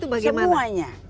bagaimana bu maas menerapkan